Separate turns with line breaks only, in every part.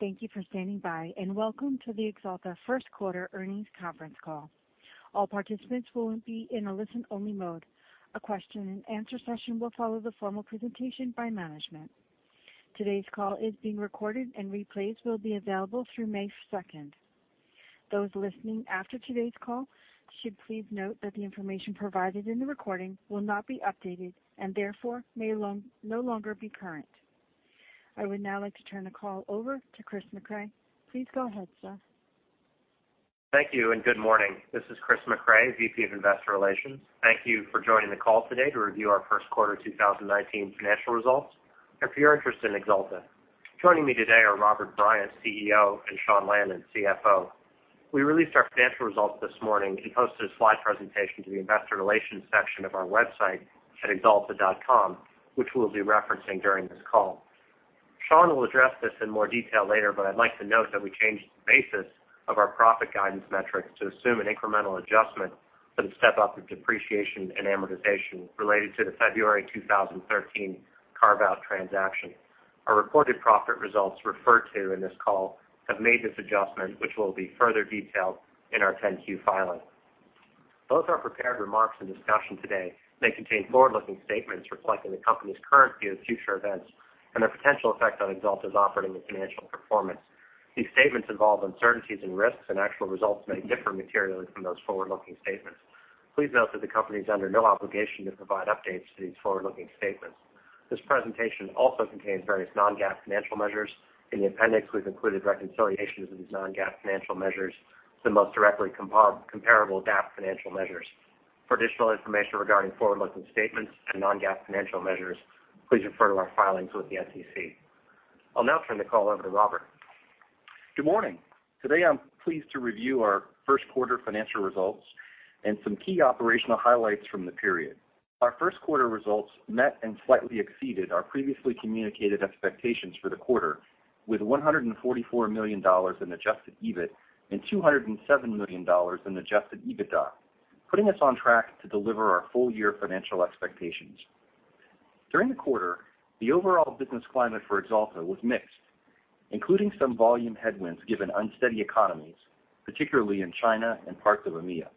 Thank you for standing by, and welcome to the Axalta first quarter earnings conference call. All participants will be in a listen-only mode. A question and answer session will follow the formal presentation by management. Today's call is being recorded and replays will be available through May 2nd. Those listening after today's call should please note that the information provided in the recording will not be updated, and therefore may no longer be current. I would now like to turn the call over to Christopher Mecray. Please go ahead, sir.
Thank you, and good morning. This is Christopher Mecray, VP of Investor Relations. Thank you for joining the call today to review our first quarter 2019 financial results, and for your interest in Axalta. Joining me today are Robert Bryant, CEO, and Sean Lannon, CFO. We released our financial results this morning and posted a slide presentation to the investor relations section of our website at axalta.com, which we'll be referencing during this call. Sean will address this in more detail later, but I'd like to note that we changed the basis of our profit guidance metrics to assume an incremental adjustment for the step-up of depreciation and amortization related to the February 2013 carve-out transaction. Our reported profit results referred to in this call have made this adjustment, which will be further detailed in our 10-Q filing. Both our prepared remarks and discussion today may contain forward-looking statements reflecting the company's current view of future events and their potential effect on Axalta's operating and financial performance. These statements involve uncertainties and risks, and actual results may differ materially from those forward-looking statements. Please note that the company is under no obligation to provide updates to these forward-looking statements. This presentation also contains various non-GAAP financial measures. In the appendix, we've included reconciliations of these non-GAAP financial measures to the most directly comparable GAAP financial measures. For additional information regarding forward-looking statements and non-GAAP financial measures, please refer to our filings with the SEC. I'll now turn the call over to Robert.
Good morning. Today, I'm pleased to review our first quarter financial results and some key operational highlights from the period. Our first quarter results met and slightly exceeded our previously communicated expectations for the quarter, with $144 million in adjusted EBIT and $207 million in adjusted EBITDA, putting us on track to deliver our full year financial expectations. During the quarter, the overall business climate for Axalta was mixed, including some volume headwinds given unsteady economies, particularly in China and parts of EMEA.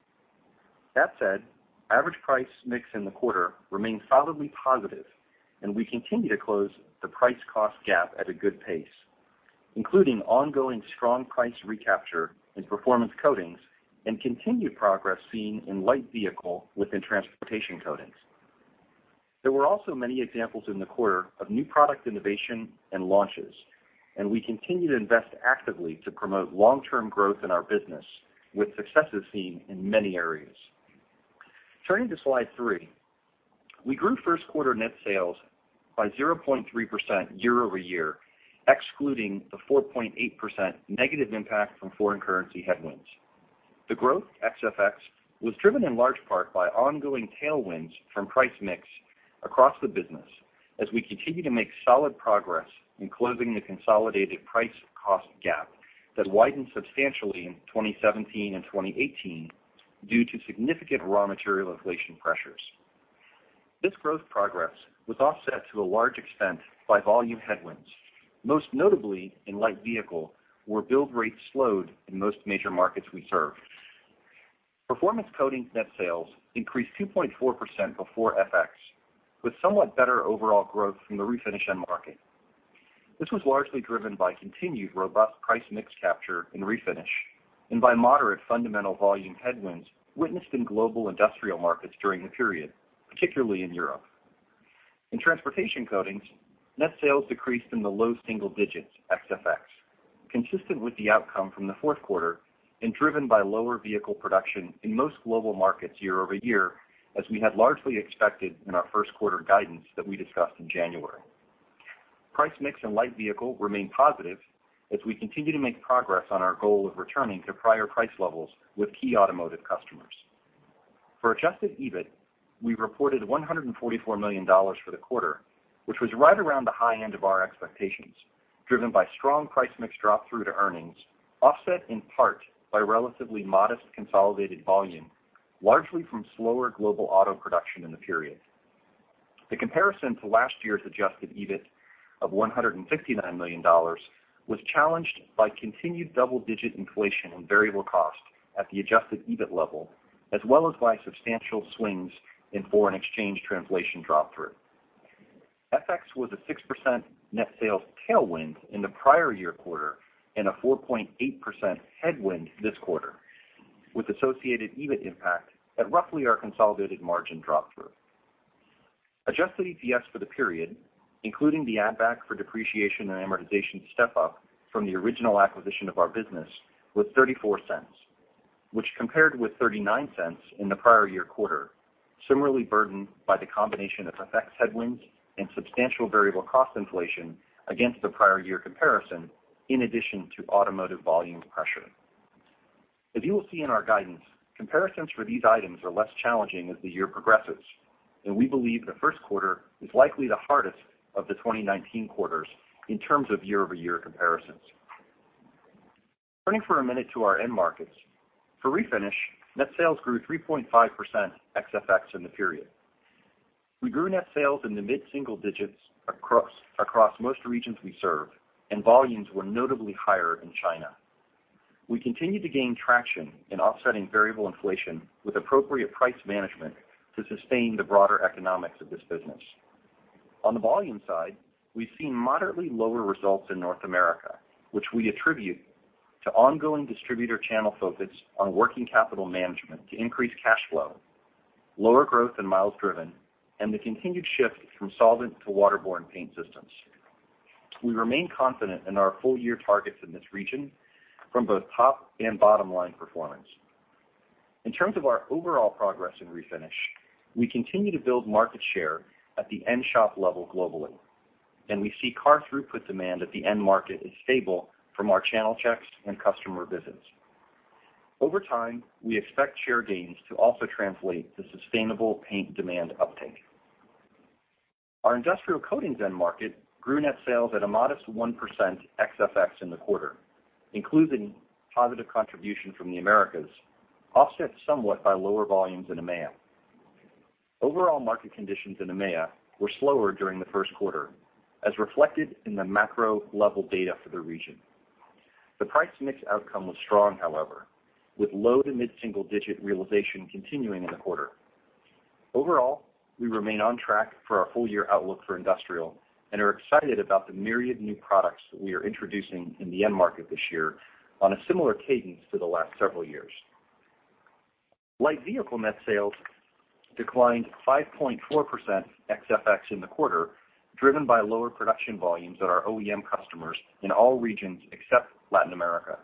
That said, average price mix in the quarter remained solidly positive, and we continue to close the price-cost gap at a good pace, including ongoing strong price recapture in Performance Coatings and continued progress seen in light vehicle within Transportation Coatings. There were also many examples in the quarter of new product innovation and launches. We continue to invest actively to promote long-term growth in our business, with successes seen in many areas. Turning to slide three. We grew first quarter net sales by 0.3% year-over-year, excluding the 4.8% negative impact from foreign currency headwinds. The growth ex FX was driven in large part by ongoing tailwinds from price mix across the business as we continue to make solid progress in closing the consolidated price-cost gap that widened substantially in 2017 and 2018 due to significant raw material inflation pressures. This growth progress was offset to a large extent by volume headwinds, most notably in light vehicle, where build rates slowed in most major markets we serve. Performance Coatings net sales increased 2.4% before FX, with somewhat better overall growth from the refinish end market. This was largely driven by continued robust price mix capture in refinish, and by moderate fundamental volume headwinds witnessed in global industrial markets during the period, particularly in Europe. In Transportation Coatings, net sales decreased in the low single digits ex FX, consistent with the outcome from the fourth quarter and driven by lower vehicle production in most global markets year-over-year, as we had largely expected in our first quarter guidance that we discussed in January. Price mix in light vehicle remained positive as we continue to make progress on our goal of returning to prior price levels with key automotive customers. For adjusted EBIT, we reported $144 million for the quarter, which was right around the high end of our expectations, driven by strong price mix drop through to earnings, offset in part by relatively modest consolidated volume, largely from slower global auto production in the period. The comparison to last year's adjusted EBIT of $159 million was challenged by continued double-digit inflation in variable cost at the adjusted EBIT level, as well as by substantial swings in foreign exchange translation drop through. FX was a 6% net sales tailwind in the prior year quarter and a 4.8% headwind this quarter, with associated EBIT impact at roughly our consolidated margin drop through. Adjusted EPS for the period, including the add back for depreciation and amortization step-up from the original acquisition of our business, was $0.34, which compared with $0.39 in the prior year quarter, similarly burdened by the combination of FX headwinds and substantial variable cost inflation against the prior year comparison, in addition to automotive volume pressure. As you will see in our guidance, comparisons for these items are less challenging as the year progresses. We believe the first quarter is likely the hardest of the 2019 quarters in terms of year-over-year comparisons. Turning for a minute to our end markets. For Refinish, net sales grew 3.5% ex FX in the period. We grew net sales in the mid-single digits across most regions we serve, and volumes were notably higher in China. We continue to gain traction in offsetting variable inflation with appropriate price management to sustain the broader economics of this business. On the volume side, we've seen moderately lower results in North America, which we attribute to ongoing distributor channel focus on working capital management to increase cash flow, lower growth in miles driven, and the continued shift from solvent to waterborne paint systems. We remain confident in our full-year targets in this region from both top and bottom-line performance. In terms of our overall progress in Refinish, we continue to build market share at the end shop level globally, and we see car throughput demand at the end market is stable from our channel checks and customer visits. Over time, we expect share gains to also translate to sustainable paint demand uptake. Our Industrial Coatings end market grew net sales at a modest 1% ex FX in the quarter, including positive contribution from the Americas, offset somewhat by lower volumes in EMEA. Overall market conditions in EMEA were slower during the first quarter, as reflected in the macro-level data for the region. The price mix outcome was strong, however, with low-to-mid single-digit realization continuing in the quarter. Overall, we remain on track for our full-year outlook for Industrial and are excited about the myriad new products that we are introducing in the end market this year on a similar cadence to the last several years. Light Vehicle net sales declined 5.4% ex FX in the quarter, driven by lower production volumes at our OEM customers in all regions except Latin America.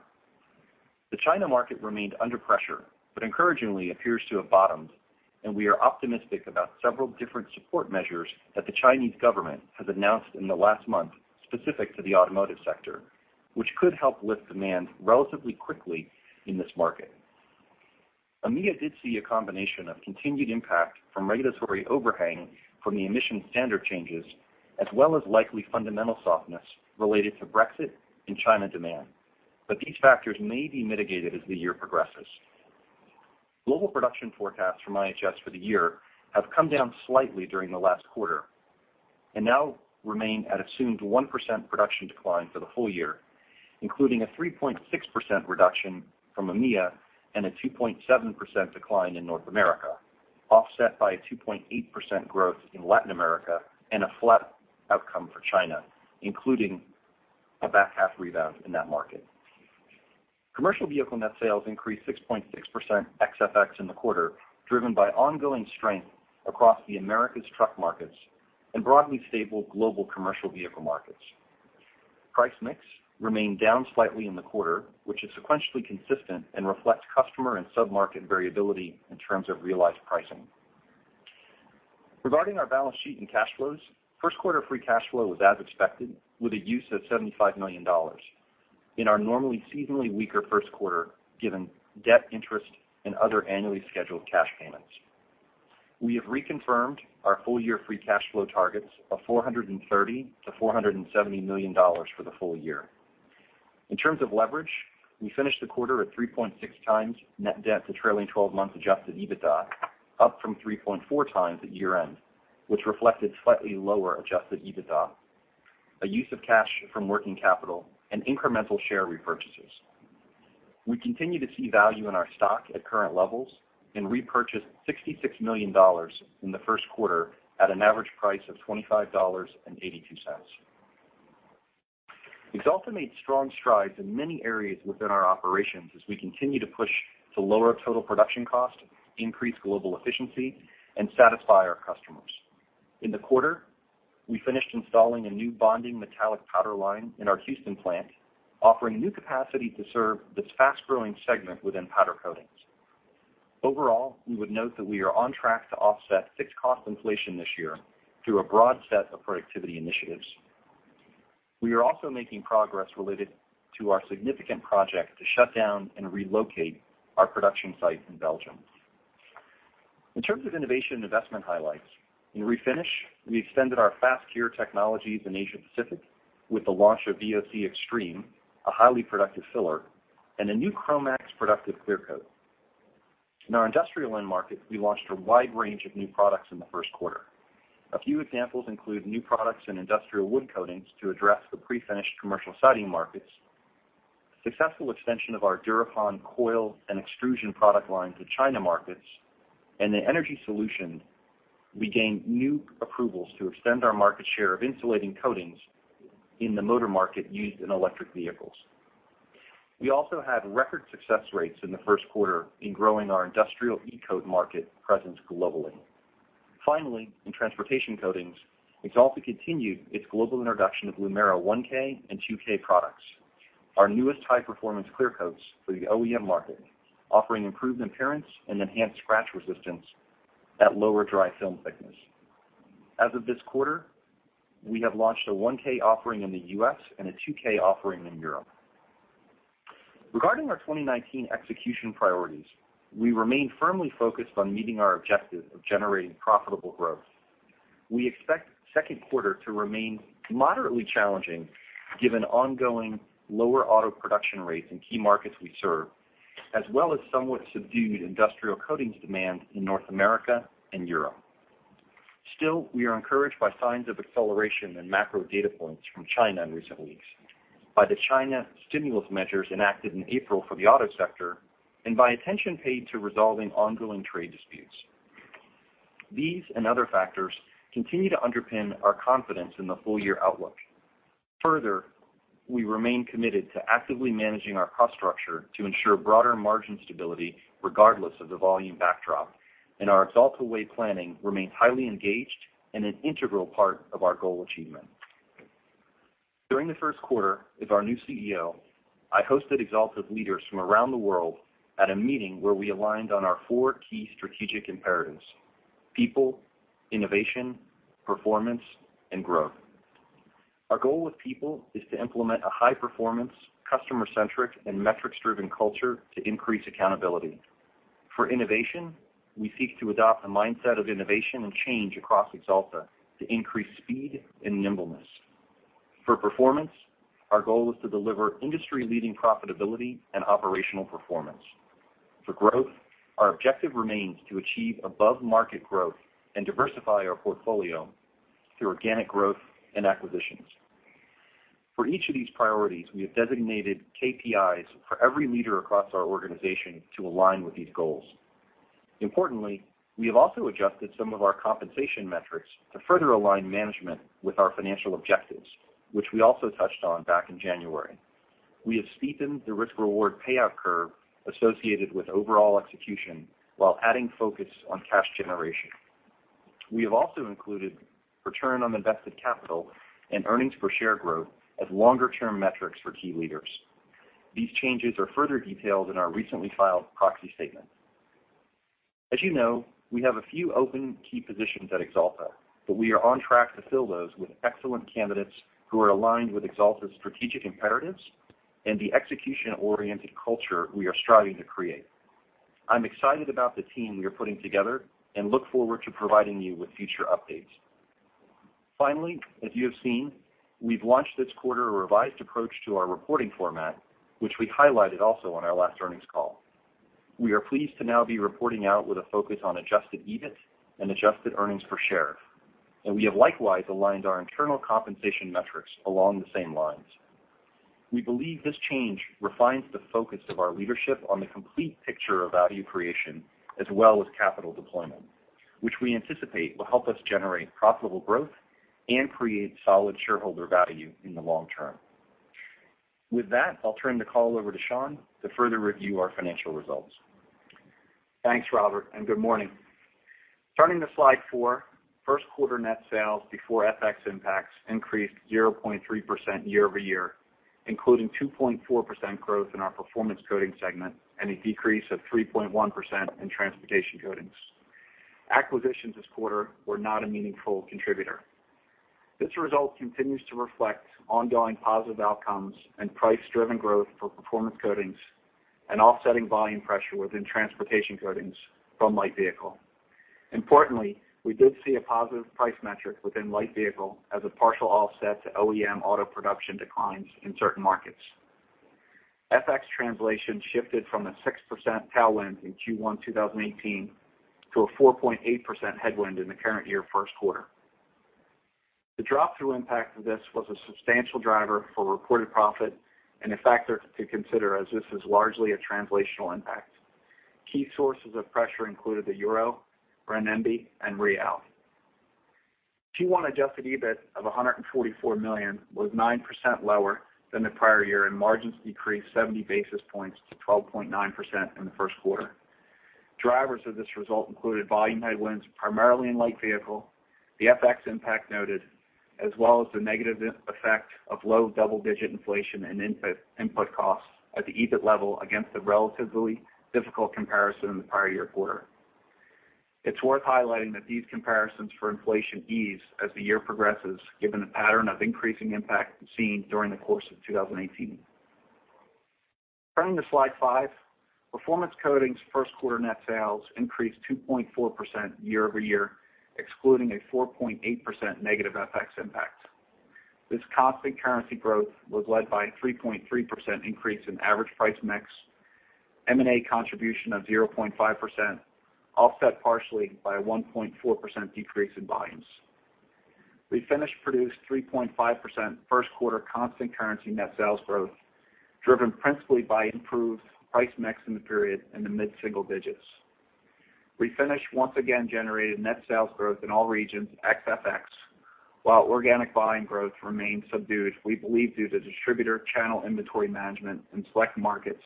The China market remained under pressure, but encouragingly appears to have bottomed, and we are optimistic about several different support measures that the Chinese government has announced in the last month specific to the automotive sector, which could help lift demand relatively quickly in this market. EMEA did see a combination of continued impact from regulatory overhang from the emission standard changes, as well as likely fundamental softness related to Brexit and China demand. These factors may be mitigated as the year progresses. Global production forecasts from IHS for the year have come down slightly during the last quarter and now remain at assumed 1% production decline for the full year, including a 3.6% reduction from EMEA and a 2.7% decline in North America, offset by a 2.8% growth in Latin America and a flat outcome for China, including a back half rebound in that market. Commercial Vehicle net sales increased 6.6% ex FX in the quarter, driven by ongoing strength across the Americas truck markets and broadly stable global commercial vehicle markets. Price mix remained down slightly in the quarter, which is sequentially consistent and reflects customer and submarket variability in terms of realized pricing. Regarding our balance sheet and cash flows, first quarter free cash flow was as expected, with a use of $75 million in our normally seasonally weaker first quarter, given debt interest and other annually scheduled cash payments. We have reconfirmed our full-year free cash flow targets of $430 million-$470 million for the full year. In terms of leverage, we finished the quarter at 3.6 times net debt to trailing 12-month adjusted EBITDA, up from 3.4 times at year-end, which reflected slightly lower adjusted EBITDA, a use of cash from working capital, and incremental share repurchases. We continue to see value in our stock at current levels and repurchased $66 million in the first quarter at an average price of $25.82. Axalta made strong strides in many areas within our operations as we continue to push to lower total production cost, increase global efficiency, and satisfy our customers. In the quarter, we finished installing a new bonding metallic powder line in our Houston plant, offering new capacity to serve this fast-growing segment within powder coatings. Overall, we would note that we are on track to offset fixed cost inflation this year through a broad set of productivity initiatives. We are also making progress related to our significant project to shut down and relocate our production site in Belgium. In terms of innovation investment highlights, in Refinish, we extended our fast cure technologies in Asia-Pacific with the launch of VOC-Xtreme, a highly productive filler, and a new Cromax productive clear coat. In our Industrial end market, we launched a wide range of new products in the first quarter. A few examples include new products in industrial wood coatings to address the prefinished commercial siding markets, successful extension of our Durapon coil and extrusion product line to China markets, and in Energy Solutions, we gained new approvals to extend our market share of insulating coatings in the motor market used in electric vehicles. We also had record success rates in the first quarter in growing our Industrial e-coat market presence globally. Finally, in Transportation Coatings, Axalta continued its global introduction of Lumeera 1K and 2K products, our newest high-performance clear coats for the OEM market, offering improved appearance and enhanced scratch resistance at lower dry film thickness. As of this quarter, we have launched a 1K offering in the U.S. and a 2K offering in Europe. Regarding our 2019 execution priorities, we remain firmly focused on meeting our objective of generating profitable growth. We expect the second quarter to remain moderately challenging given ongoing lower auto production rates in key markets we serve, as well as somewhat subdued industrial coatings demand in North America and Europe. Still, we are encouraged by signs of acceleration in macro data points from China in recent weeks, by the China stimulus measures enacted in April for the auto sector, and by attention paid to resolving ongoing trade disputes. These and other factors continue to underpin our confidence in the full-year outlook. Further, we remain committed to actively managing our cost structure to ensure broader margin stability regardless of the volume backdrop, and our Axalta Way planning remains highly engaged and an integral part of our goal achievement. During the first quarter as our new CEO, I hosted Axalta's leaders from around the world at a meeting where we aligned on our four key strategic imperatives, people, innovation, performance, and growth. Our goal with people is to implement a high performance, customer centric, and metrics driven culture to increase accountability. For innovation, we seek to adopt a mindset of innovation and change across Axalta to increase speed and nimbleness. For performance, our goal is to deliver industry leading profitability and operational performance. For growth, our objective remains to achieve above market growth and diversify our portfolio through organic growth and acquisitions. For each of these priorities, we have designated KPIs for every leader across our organization to align with these goals. Importantly, we have also adjusted some of our compensation metrics to further align management with our financial objectives, which we also touched on back in January. We have steepened the risk reward payout curve associated with overall execution while adding focus on cash generation. We have also included return on invested capital and earnings per share growth as longer term metrics for key leaders. These changes are further detailed in our recently filed proxy statement. As you know, we have a few open key positions at Axalta, but we are on track to fill those with excellent candidates who are aligned with Axalta's strategic imperatives and the execution oriented culture we are striving to create. I'm excited about the team we are putting together and look forward to providing you with future updates. Finally, as you have seen, we've launched this quarter a revised approach to our reporting format, which we highlighted also on our last earnings call. We are pleased to now be reporting out with a focus on adjusted EBIT and adjusted earnings per share, and we have likewise aligned our internal compensation metrics along the same lines. We believe this change refines the focus of our leadership on the complete picture of value creation as well as capital deployment, which we anticipate will help us generate profitable growth and create solid shareholder value in the long term. With that, I'll turn the call over to Sean to further review our financial results.
Thanks, Robert, and good morning. Turning to slide four. First quarter net sales before FX impacts increased 0.3% year-over-year, including 2.4% growth in our Performance Coatings segment and a decrease of 3.1% in Transportation Coatings. Acquisitions this quarter were not a meaningful contributor. This result continues to reflect ongoing positive outcomes and price driven growth for Performance Coatings and offsetting volume pressure within Transportation Coatings from light vehicle. Importantly, we did see a positive price metric within light vehicle as a partial offset to OEM auto production declines in certain markets. FX translation shifted from a 6% tailwind in Q1 2018 to a 4.8% headwind in the current year first quarter. The drop through impact of this was a substantial driver for reported profit and a factor to consider as this is largely a translational impact. Key sources of pressure included the euro, rand, and real. Q1 adjusted EBIT of $144 million was 9% lower than the prior year, and margins decreased 70 basis points to 12.9% in the first quarter. Drivers of this result included volume headwinds, primarily in light vehicle, the FX impact noted, as well as the negative effect of low double-digit inflation and input costs at the EBIT level against the relatively difficult comparison in the prior year quarter. It's worth highlighting that these comparisons for inflation ease as the year progresses, given the pattern of increasing impact seen during the course of 2018. Turning to slide five. Performance Coatings first quarter net sales increased 2.4% year-over-year, excluding a 4.8% negative FX impact. This constant currency growth was led by a 3.3% increase in average price mix, M&A contribution of 0.5%, offset partially by a 1.4% decrease in volumes. Refinish produced 3.5% first quarter constant currency net sales growth, driven principally by improved price mix in the period in the mid-single digits. Refinish once again generated net sales growth in all regions ex FX. While organic volume growth remained subdued, we believe due to distributor channel inventory management in select markets,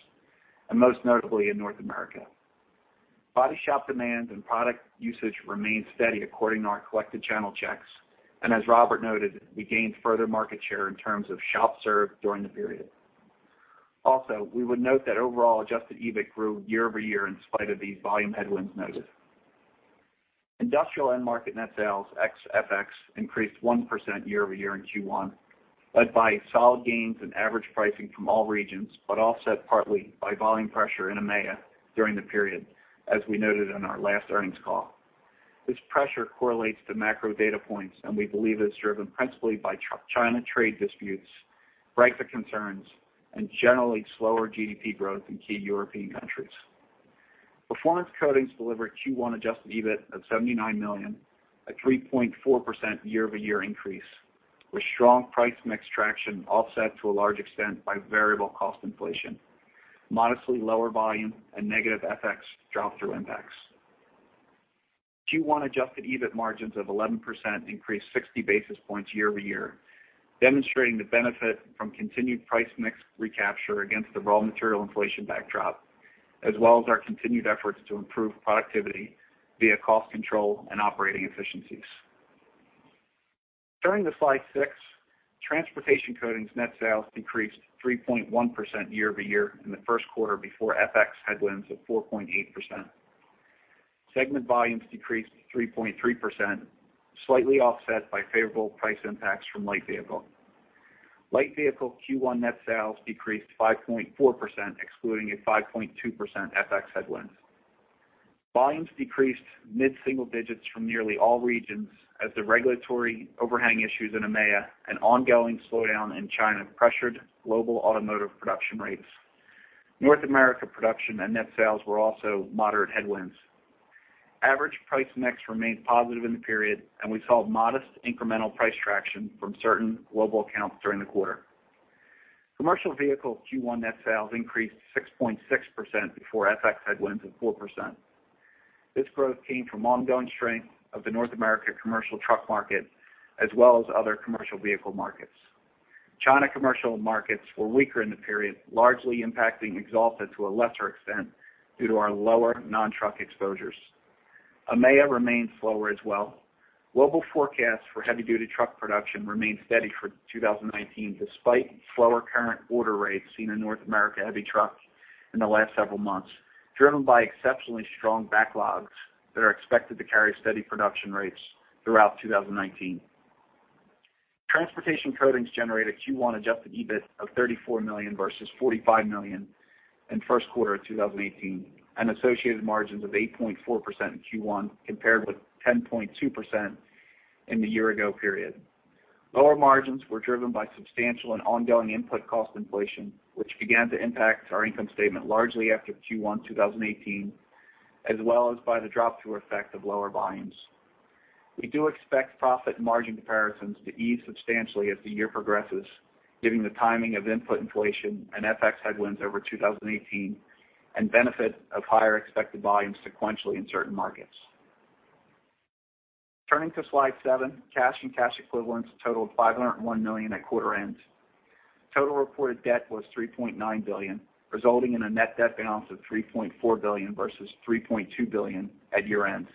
and most notably in North America. Body shop demand and product usage remained steady according to our collected channel checks. As Robert noted, we gained further market share in terms of shops served during the period. We would note that overall adjusted EBIT grew year-over-year in spite of these volume headwinds noted. Industrial end market net sales ex FX increased 1% year-over-year in Q1. Led by solid gains in average pricing from all regions, offset partly by volume pressure in EMEA during the period, as we noted in our last earnings call. This pressure correlates to macro data points, we believe it is driven principally by China trade disputes, Brexit concerns, and generally slower GDP growth in key European countries. Performance Coatings delivered Q1 adjusted EBIT of $79 million, a 3.4% year-over-year increase, with strong price mix traction offset to a large extent by variable cost inflation, modestly lower volume and negative FX drop through impacts. Q1 adjusted EBIT margins of 11% increased 60 basis points year-over-year, demonstrating the benefit from continued price mix recapture against the raw material inflation backdrop, as well as our continued efforts to improve productivity via cost control and operating efficiencies. Turning to slide six, Transportation Coatings net sales decreased 3.1% year-over-year in the first quarter before FX headwinds of 4.8%. Segment volumes decreased 3.3%, slightly offset by favorable price impacts from light vehicle. Light vehicle Q1 net sales decreased 5.4%, excluding a 5.2% FX headwind. Volumes decreased mid-single digits from nearly all regions as the regulatory overhang issues in EMEA and ongoing slowdown in China pressured global automotive production rates. North America production and net sales were also moderate headwinds. Average price mix remained positive in the period, we saw modest incremental price traction from certain global accounts during the quarter. Commercial vehicles Q1 net sales increased 6.6% before FX headwinds of 4%. This growth came from ongoing strength of the North America commercial truck market, as well as other commercial vehicle markets. China commercial markets were weaker in the period, largely impacting Axalta to a lesser extent due to our lower non-truck exposures. EMEA remained slower as well. Global forecasts for heavy-duty truck production remain steady for 2019, despite slower current order rates seen in North America heavy trucks in the last several months, driven by exceptionally strong backlogs that are expected to carry steady production rates throughout 2019. Transportation Coatings generated Q1 adjusted EBIT of $34 million versus $45 million in first quarter of 2018, associated margins of 8.4% in Q1, compared with 10.2% in the year ago period. Lower margins were driven by substantial and ongoing input cost inflation, which began to impact our income statement largely after Q1 2018, as well as by the drop through effect of lower volumes. We do expect profit margin comparisons to ease substantially as the year progresses, given the timing of input inflation and FX headwinds over 2018, and benefit of higher expected volumes sequentially in certain markets. Turning to slide seven, cash and cash equivalents totaled $501 million at quarter end. Total reported debt was $3.9 billion, resulting in a net debt balance of $3.4 billion versus $3.2 billion at year-end.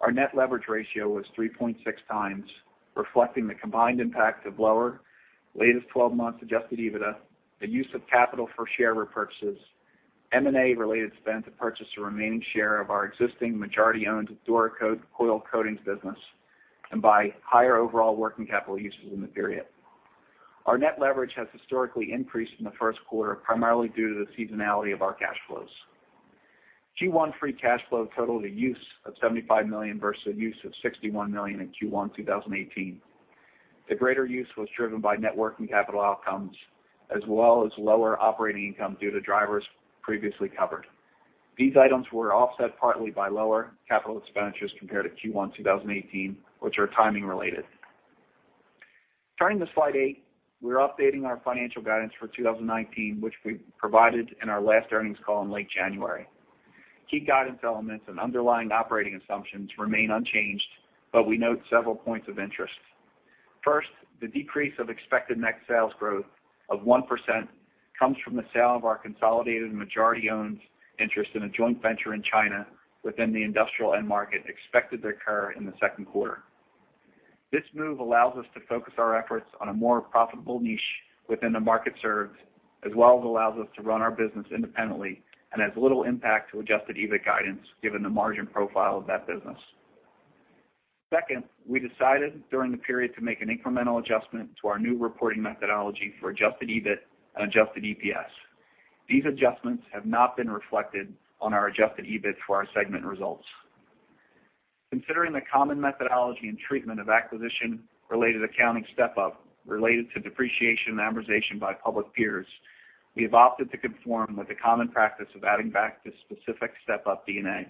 Our net leverage ratio was 3.6 times, reflecting the combined impact of lower latest 12 months adjusted EBITDA, the use of capital for share repurchases, M&A related spend to purchase the remaining share of our existing majority-owned DuraCoat coil coatings business, and by higher overall working capital usage in the period. Our net leverage has historically increased in the first quarter, primarily due to the seasonality of our cash flows. Q1 free cash flow totaled a use of $75 million versus a use of $61 million in Q1 2018. The greater use was driven by net working capital outcomes, as well as lower operating income due to drivers previously covered. These items were offset partly by lower capital expenditures compared to Q1 2018, which are timing related. Turning to slide eight, we are updating our financial guidance for 2019, which we provided in our last earnings call in late January. Key guidance elements and underlying operating assumptions remain unchanged, but we note several points of interest. First, the decrease of expected net sales growth of 1% comes from the sale of our consolidated majority-owned interest in a joint venture in China within the industrial end market expected to occur in the second quarter. This move allows us to focus our efforts on a more profitable niche within the market served, as well as allows us to run our business independently and has little impact to adjusted EBIT guidance given the margin profile of that business. Second, we decided during the period to make an incremental adjustment to our new reporting methodology for adjusted EBIT and adjusted EPS. These adjustments have not been reflected on our adjusted EBIT for our segment results. Considering the common methodology and treatment of acquisition related accounting step-up related to depreciation and amortization by public peers, we have opted to conform with the common practice of adding back this specific step-up D&A.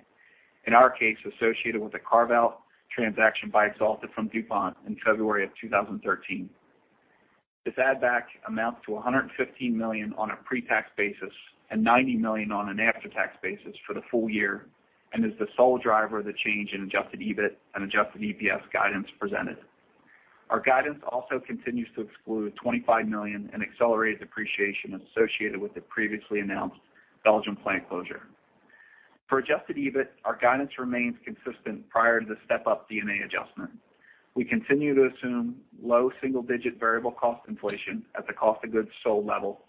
In our case, associated with the carve-out transaction by Axalta from DuPont in February of 2013. This add back amounts to $115 million on a pre-tax basis and $90 million on an after-tax basis for the full year, and is the sole driver of the change in adjusted EBIT and adjusted EPS guidance presented. Our guidance also continues to exclude $25 million in accelerated depreciation associated with the previously announced Belgium plant closure. For adjusted EBIT, our guidance remains consistent prior to the step-up D&A adjustment. We continue to assume low single-digit variable cost inflation at the cost of goods sold level.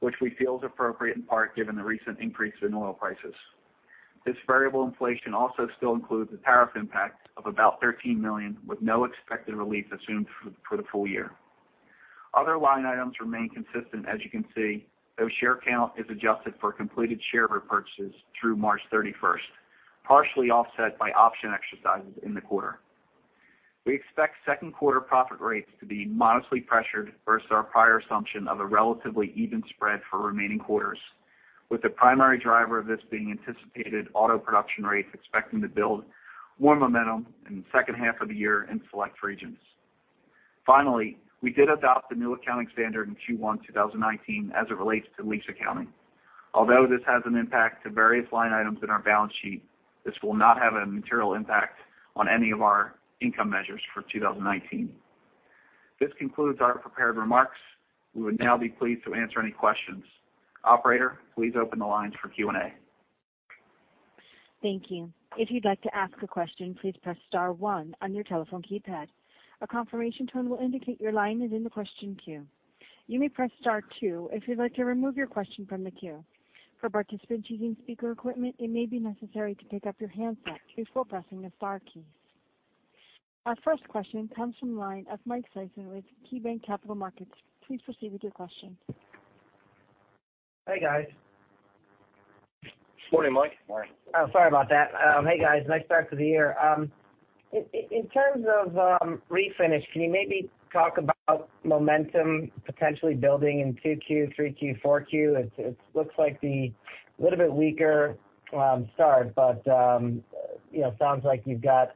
Which we feel is appropriate in part, given the recent increase in oil prices. This variable inflation also still includes the tariff impact of about $13 million, with no expected relief assumed for the full year. Other line items remain consistent as you can see, though share count is adjusted for completed share repurchases through March 31st, partially offset by option exercises in the quarter. We expect second quarter profit rates to be modestly pressured versus our prior assumption of a relatively even spread for remaining quarters, with the primary driver of this being anticipated auto production rates expecting to build more momentum in the second half of the year in select regions. Finally, we did adopt the new accounting standard in Q1 2019 as it relates to lease accounting.
Although this has an impact to various line items in our balance sheet, this will not have a material impact on any of our income measures for 2019. This concludes our prepared remarks. We would now be pleased to answer any questions. Operator, please open the lines for Q&A.
Thank you. If you'd like to ask a question, please press star one on your telephone keypad. A confirmation tone will indicate your line is in the question queue. You may press star two if you'd like to remove your question from the queue. For participants using speaker equipment, it may be necessary to pick up your handset before pressing the star keys. Our first question comes from the line of Michael Sison with KeyBanc Capital Markets. Please proceed with your question.
Hey, guys.
Good morning, Mike.
Morning.
Oh, sorry about that. Hey, guys. Nice start to the year. In terms of refinish, can you maybe talk about momentum potentially building in 2Q, 3Q, 4Q? It looks like the little bit weaker start, but sounds like you've got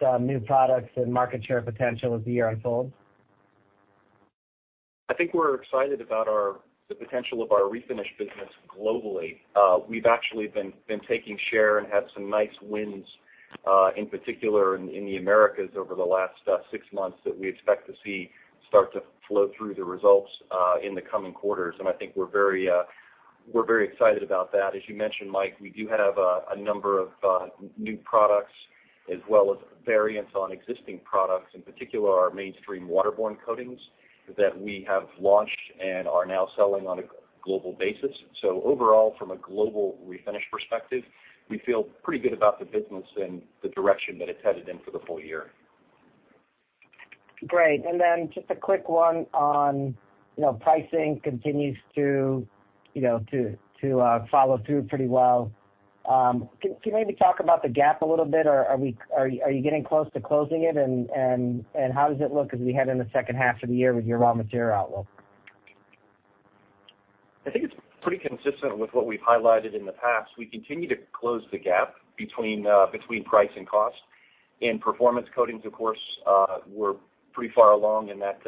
some new products and market share potential as the year unfolds.
I think we're excited about the potential of our refinish business globally. We've actually been taking share and had some nice wins, in particular, in the Americas over the last six months that we expect to see start to flow through the results in the coming quarters, and I think we're very excited about that. As you mentioned, Mike, we do have a number of new products as well as variants on existing products, in particular our mainstream waterborne coatings that we have launched and are now selling on a global basis. Overall, from a global refinish perspective, we feel pretty good about the business and the direction that it's headed in for the full year.
Great. Then just a quick one on pricing continues to follow through pretty well. Can you maybe talk about the gap a little bit? Are you getting close to closing it, and how does it look as we head into the second half of the year with your raw material outlook?
I think it's pretty consistent with what we've highlighted in the past. We continue to close the gap between price and cost. In Performance Coatings, of course, we're pretty far along in that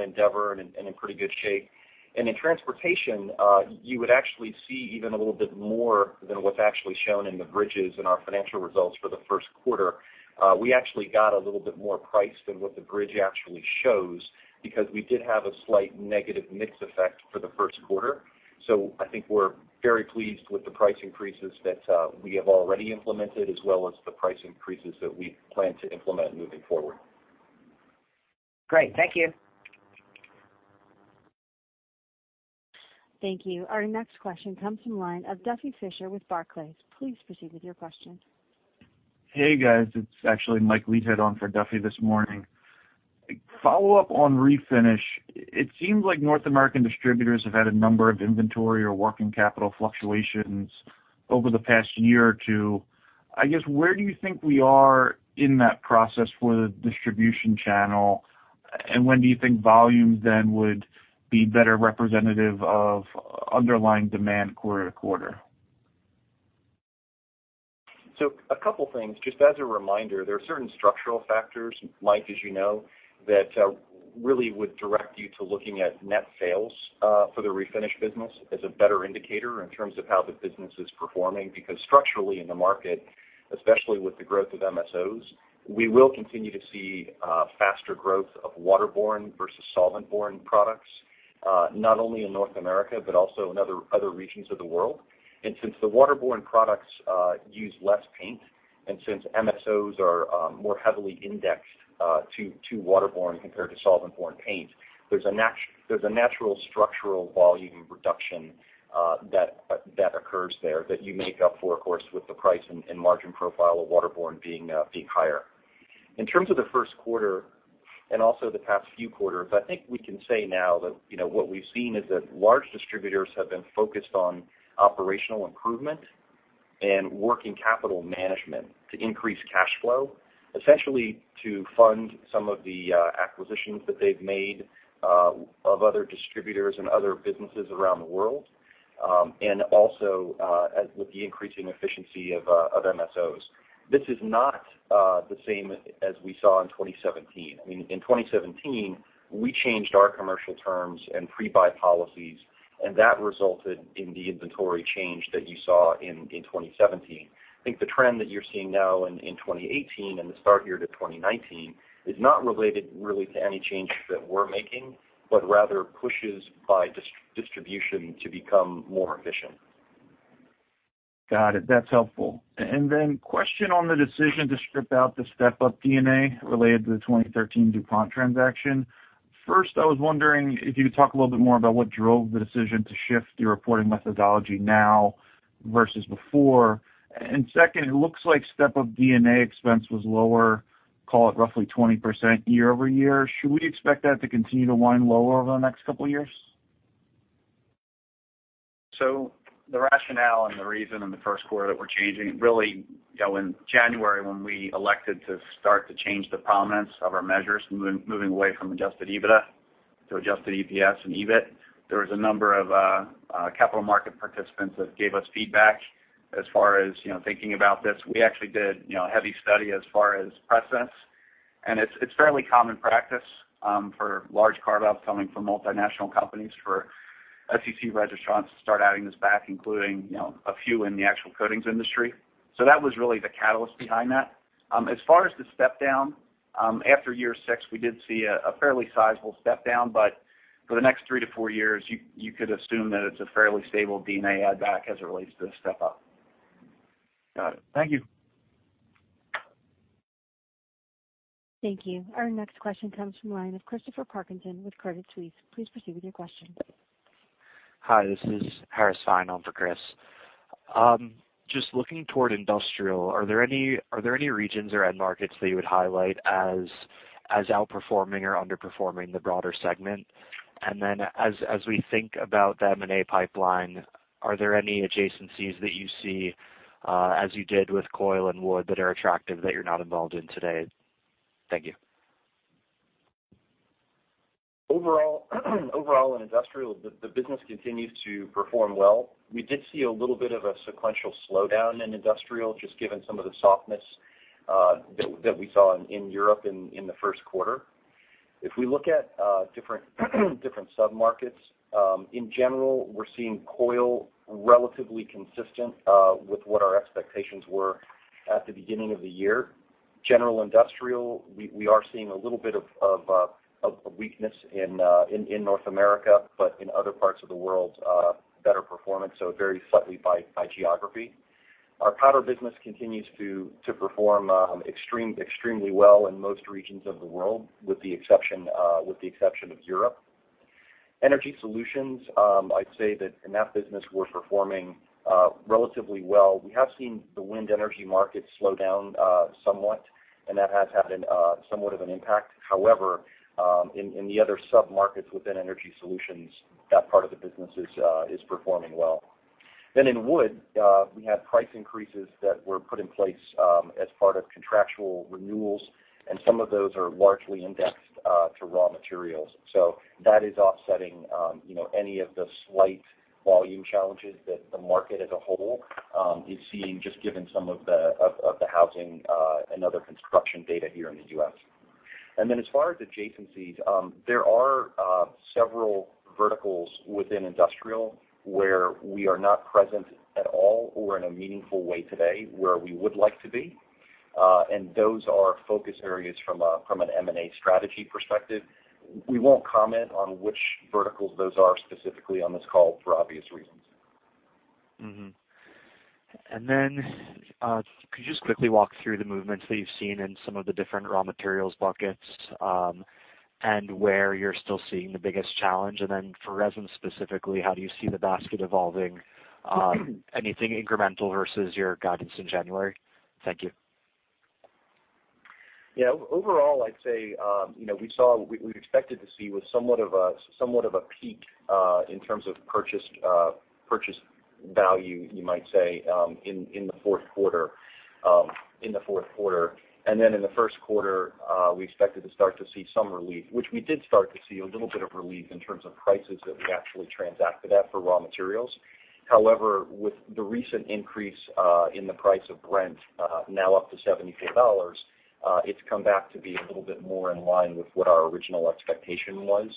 endeavor and in pretty good shape. In Transportation, you would actually see even a little bit more than what's actually shown in the bridges in our financial results for the first quarter. We actually got a little bit more price than what the bridge actually shows because we did have a slight negative mix effect for the first quarter. I think we're very pleased with the price increases that we have already implemented, as well as the price increases that we plan to implement moving forward.
Great. Thank you.
Thank you. Our next question comes from the line of Duffy Fischer with Barclays. Please proceed with your question.
Hey, guys. It's actually Mike Leithead on for Duffy this morning. Follow-up on refinish. It seems like North American distributors have had a number of inventory or working capital fluctuations over the past year or two. I guess where do you think we are in that process for the distribution channel, and when do you think volume then would be better representative of underlying demand quarter-to-quarter?
A couple things. Just as a reminder, there are certain structural factors, Mike, as you know, that really would direct you to looking at net sales for the refinish business as a better indicator in terms of how the business is performing. Because structurally in the market, especially with the growth of MSOs, we will continue to see faster growth of waterborne versus solvent-borne products, not only in North America, but also in other regions of the world. Since the waterborne products use less paint, and since MSOs are more heavily indexed to waterborne compared to solvent-borne paint, there's a natural structural volume reduction that occurs there that you make up for, of course, with the price and margin profile of waterborne being higher. In terms of the first quarter and also the past few quarters, I think we can say now that what we've seen is that large distributors have been focused on operational improvement and working capital management to increase cash flow, essentially to fund some of the acquisitions that they've made of other distributors and other businesses around the world, and also with the increasing efficiency of MSOs. This is not the same as we saw in 2017. In 2017, we changed our commercial terms and pre-buy policies, and that resulted in the inventory change that you saw in 2017. I think the trend that you're seeing now in 2018 and the start here to 2019 is not related really to any changes that we're making, but rather pushes by distribution to become more efficient.
Got it. That's helpful. Question on the decision to strip out the step-up D&A related to the 2013 DuPont transaction. First, I was wondering if you could talk a little bit more about what drove the decision to shift your reporting methodology now versus before. Second, it looks like step-up D&A expense was lower, call it roughly 20% year-over-year. Should we expect that to continue to wind lower over the next couple of years?
The rationale and the reason in the first quarter that we're changing, really, in January, when we elected to start to change the prominence of our measures, moving away from adjusted EBITDA to adjusted EPS and EBIT, there was a number of capital market participants that gave us feedback as far as thinking about this. We actually did a heavy study as far as precedence, and it's fairly common practice for large carve-outs coming from multinational companies, for SEC registrants to start adding this back, including a few in the actual coatings industry. That was really the catalyst behind that. As far as the step-down, after year six, we did see a fairly sizable step-down, but for the next three to four years, you could assume that it's a fairly stable D&A add-back as it relates to the step-up.
Got it. Thank you.
Thank you. Our next question comes from the line of Christopher Parkinson with Credit Suisse. Please proceed with your question.
Hi, this is Harris Fine on for Chris. Just looking toward industrial, are there any regions or end markets that you would highlight as outperforming or underperforming the broader segment? As we think about the M&A pipeline, are there any adjacencies that you see, as you did with coil and wood, that are attractive that you're not involved in today? Thank you.
Overall, in industrial, the business continues to perform well. We did see a little bit of a sequential slowdown in industrial, just given some of the softness that we saw in Europe in the first quarter. If we look at different sub-markets, in general, we're seeing coil relatively consistent with what our expectations were at the beginning of the year. General industrial, we are seeing a little bit of weakness in North America, but in other parts of the world, better performance, so very slightly by geography. Our powder business continues to perform extremely well in most regions of the world, with the exception of Europe. Energy Solutions, I'd say that in that business, we're performing relatively well. We have seen the wind energy market slow down somewhat, and that has had somewhat of an impact. In the other sub-markets within Energy Solutions, that part of the business is performing well. In wood, we had price increases that were put in place as part of contractual renewals, and some of those are largely indexed to raw materials. That is offsetting any of the slight volume challenges that the market as a whole is seeing, just given some of the housing and other construction data here in the U.S. As far as adjacencies, there are several verticals within industrial where we are not present at all or in a meaningful way today, where we would like to be. Those are focus areas from an M&A strategy perspective. We won't comment on which verticals those are specifically on this call for obvious reasons.
Could you just quickly walk through the movements that you've seen in some of the different raw materials buckets, and where you're still seeing the biggest challenge? For resin specifically, how do you see the basket evolving? Anything incremental versus your guidance in January? Thank you.
Overall, I'd say, what we expected to see was somewhat of a peak in terms of purchase value, you might say, in the fourth quarter. In the first quarter, we expected to start to see some relief, which we did start to see a little bit of relief in terms of prices that we actually transacted at for raw materials. However, with the recent increase in the price of Brent, now up to $74, it's come back to be a little bit more in line with what our original expectation was,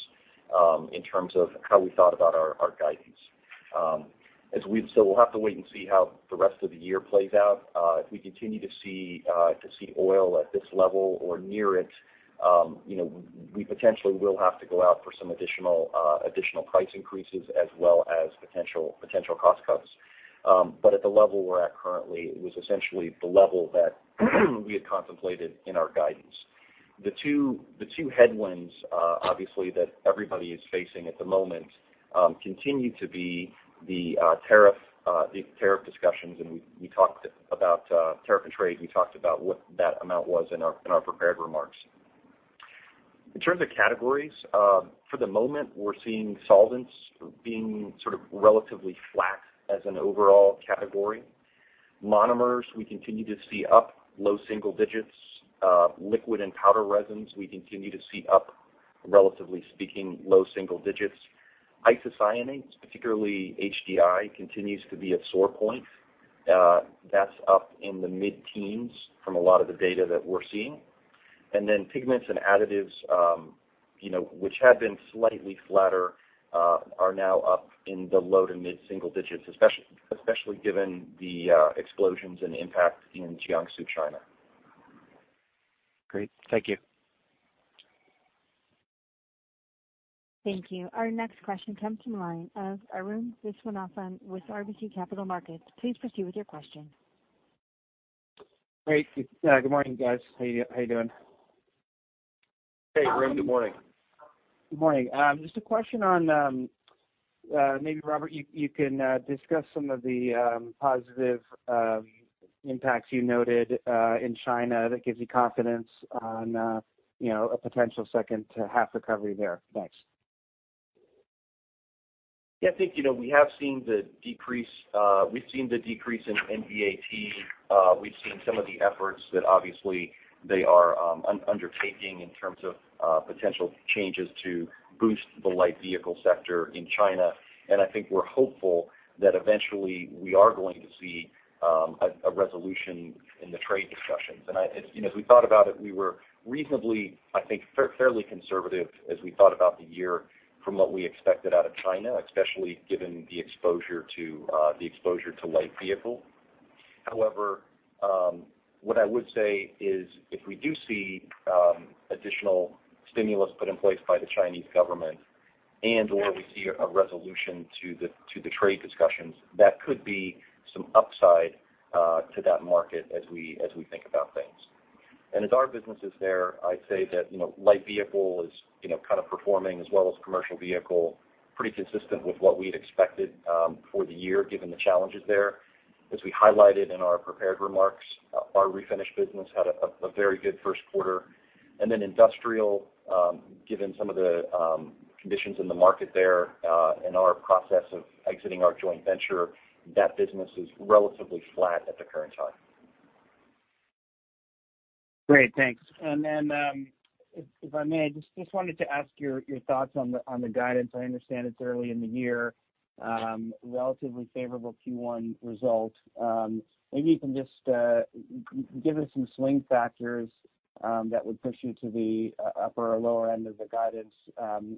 in terms of how we thought about our guidance. We'll have to wait and see how the rest of the year plays out. If we continue to see oil at this level or near it, we potentially will have to go out for some additional price increases as well as potential cost cuts. At the level we're at currently, it was essentially the level that we had contemplated in our guidance. The two headwinds, obviously, that everybody is facing at the moment continue to be the tariff discussions, and we talked about tariff and trade. We talked about what that amount was in our prepared remarks. In terms of categories, for the moment, we're seeing solvents being sort of relatively flat as an overall category. Monomers, we continue to see up low single digits. Liquid and powder resins, we continue to see up, relatively speaking, low single digits. Isocyanates, particularly HDI, continues to be a sore point. That's up in the mid-teens from a lot of the data that we're seeing. Pigments and additives, which had been slightly flatter, are now up in the low to mid-single digits, especially given the explosions and impact in Jiangsu, China.
Great. Thank you.
Thank you. Our next question comes from the line of Arun Viswanathan with RBC Capital Markets. Please proceed with your question.
Great. Good morning, guys. How you doing?
Hey, Arun, good morning.
Good morning. Just a question on, maybe, Robert, you can discuss some of the positive impacts you noted in China that gives you confidence on a potential second half recovery there. Thanks.
Yeah, I think, we have seen the decrease in VAT. We've seen some of the efforts that obviously they are undertaking in terms of potential changes to boost the light vehicle sector in China. I think we're hopeful that eventually we are going to see a resolution in the trade discussions. As we thought about it, we were reasonably, I think fairly conservative as we thought about the year from what we expected out of China, especially given the exposure to light vehicle. However, what I would say is if we do see additional stimulus put in place by the Chinese government and/or we see a resolution to the trade discussions, that could be some upside to that market as we think about things. As our businesses there, I'd say that, light vehicle is kind of performing as well as commercial vehicle, pretty consistent with what we had expected for the year, given the challenges there. As we highlighted in our prepared remarks, our refinish business had a very good first quarter. Industrial, given some of the conditions in the market there, and our process of exiting our joint venture, that business is relatively flat at the current time.
Great. Thanks. If I may, I just wanted to ask your thoughts on the guidance. I understand it's early in the year, relatively favorable Q1 result. Maybe you can just give us some swing factors that would push you to the upper or lower end of the guidance.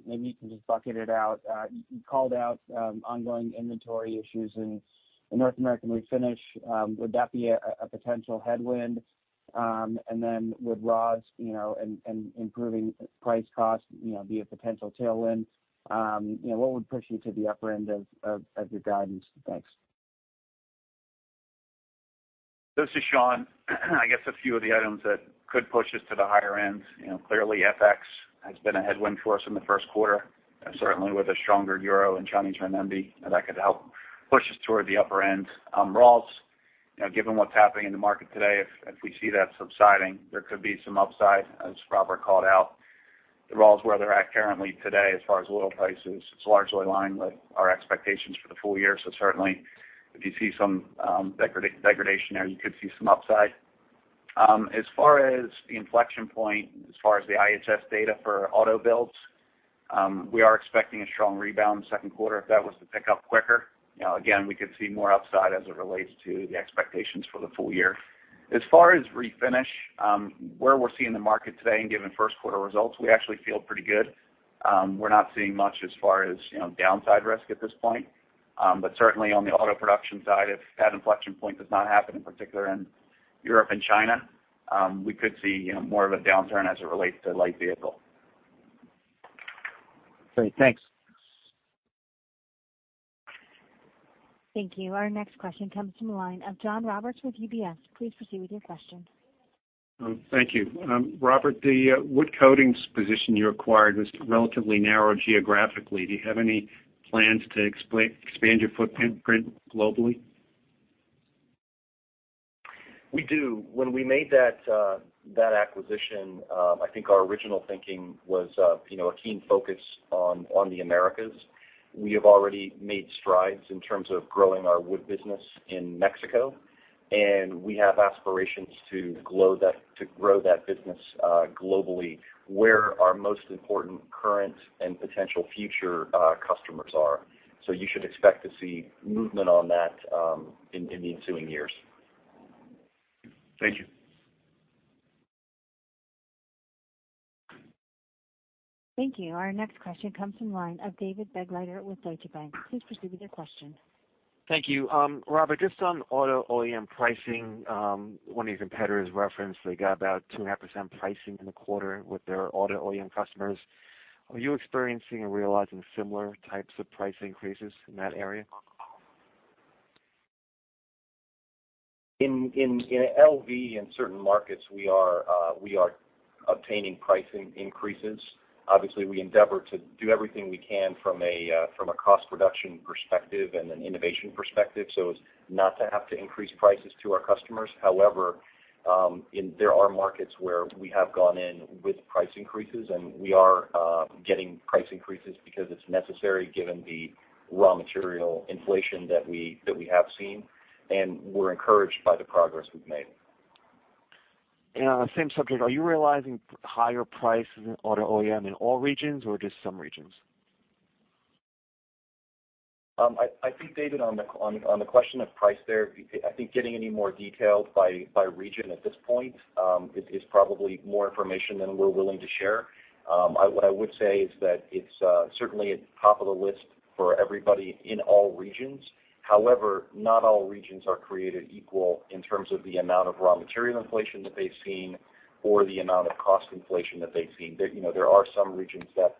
Maybe you can just bucket it out. You called out ongoing inventory issues in North American refinish. Would that be a potential headwind? Would raws, and improving price cost, be a potential tailwind? What would push you to the upper end of your guidance? Thanks.
This is Sean. I guess a few of the items that could push us to the higher end. Clearly, FX has been a headwind for us in the first quarter, certainly with a stronger EUR and CNY, that could help push us toward the upper end. Raws, given what's happening in the market today, if we see that subsiding, there could be some upside, as Robert called out. The raws where they're at currently today as far as oil prices, it's largely in line with our expectations for the full year. Certainly, if you see some degradation there, you could see some upside. As far as the inflection point, as far as the IHS data for auto builds, we are expecting a strong rebound second quarter. If that was to pick up quicker, again, we could see more upside as it relates to the expectations for the full year. As far as refinish, where we're seeing the market today and given first quarter results, we actually feel pretty good. We're not seeing much as far as downside risk at this point. Certainly, on the auto production side, if that inflection point does not happen in particular in Europe and China, we could see more of a downturn as it relates to light vehicle.
Great. Thanks.
Thank you. Our next question comes from the line of John Roberts with UBS. Please proceed with your question.
Thank you. Robert, the wood coatings position you acquired was relatively narrow geographically. Do you have any plans to expand your footprint globally?
We do. When we made that acquisition, I think our original thinking was a keen focus on the Americas. We have already made strides in terms of growing our wood business in Mexico, and we have aspirations to grow that business globally where our most important current and potential future customers are. You should expect to see movement on that in the ensuing years.
Thank you.
Thank you. Our next question comes from the line of David Begleiter with Deutsche Bank. Please proceed with your question.
Thank you. Robert, just on auto OEM pricing, one of your competitors referenced they got about 2.5% pricing in the quarter with their auto OEM customers. Are you experiencing and realizing similar types of price increases in that area?
In LV, in certain markets, we are obtaining pricing increases. Obviously, we endeavor to do everything we can from a cost reduction perspective and an innovation perspective, as not to have to increase prices to our customers. However, there are markets where we have gone in with price increases, we are getting price increases because it's necessary given the raw material inflation that we have seen. We're encouraged by the progress we've made.
On the same subject, are you realizing higher prices in auto OEM in all regions or just some regions?
I think, David, on the question of price there, I think getting any more detailed by region at this point is probably more information than we're willing to share. What I would say is that it's certainly at the top of the list for everybody in all regions. However, not all regions are created equal in terms of the amount of raw material inflation that they've seen, or the amount of cost inflation that they've seen. There are some regions that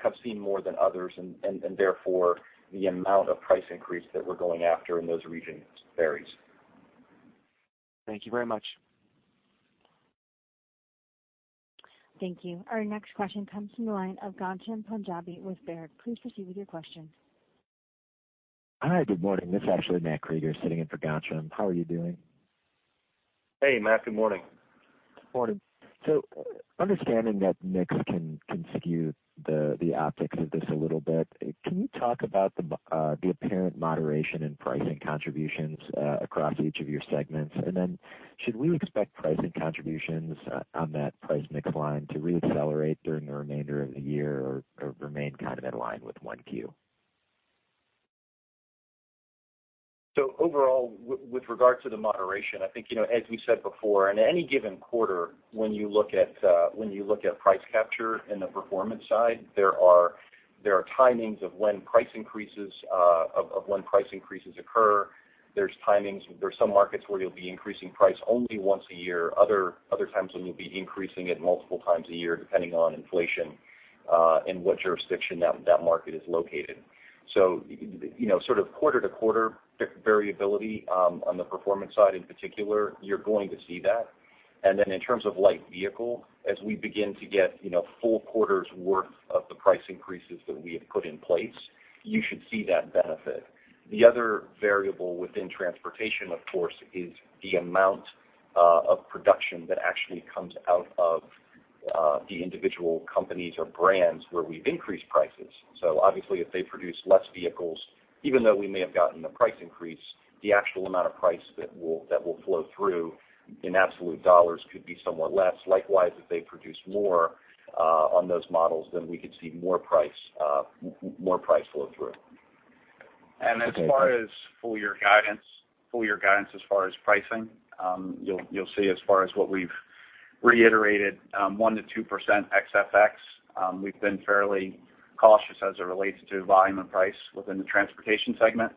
have seen more than others, therefore, the amount of price increase that we're going after in those regions varies.
Thank you very much.
Thank you. Our next question comes from the line of Ghansham Panjabi with Baird. Please proceed with your question.
Hi, good morning. This is actually Matthew Krueger sitting in for Ghansham. How are you doing?
Hey, Matt. Good morning.
Morning. Understanding that mix can skew the optics of this a little bit, can you talk about the apparent moderation in pricing contributions across each of your segments? Should we expect pricing contributions on that price mix line to reaccelerate during the remainder of the year or remain kind of in line with 1Q?
Overall, with regard to the moderation, I think, as we said before, in any given quarter, when you look at price capture in the performance side, there are timings of when price increases occur. There's some markets where you'll be increasing price only once a year, other times when you'll be increasing it multiple times a year, depending on inflation, in what jurisdiction that market is located. Sort of quarter-to-quarter variability, on the performance side in particular, you're going to see that. In terms of light vehicle, as we begin to get full quarters worth of the price increases that we have put in place, you should see that benefit. The other variable within transportation, of course, is the amount of production that actually comes out of the individual companies or brands where we've increased prices. Obviously, if they produce less vehicles, even though we may have gotten the price increase, the actual amount of price that will flow through in absolute $ could be somewhat less. Likewise, if they produce more on those models, we could see more price flow through.
As far as full-year guidance as far as pricing, you'll see as far as what we've reiterated, 1%-2% ex FX. We've been fairly cautious as it relates to volume and price within the transportation segment.